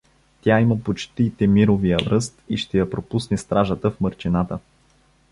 Тя има почти Темировия ръст и ще я пропусне стражата в мърчината.